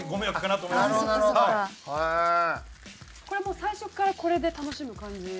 これもう最初っからこれで楽しむ感じ？